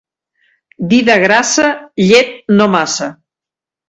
Dida grassa, llet no massa.